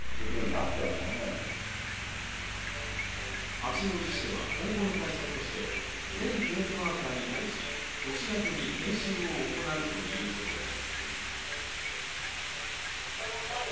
八王子市では今後の対策として全ケースワーカーに対し、年明けに研修を行うということです。